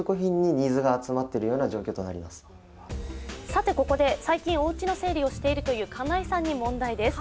さてここで最近おうちの整理をしているという金井さんに問題です。